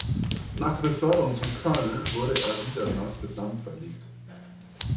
Nach der Beförderung zum Colonel wurde er wieder nach Vietnam verlegt.